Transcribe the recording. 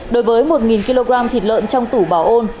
đối với một kg thịt lợn trong tủ bảo ôn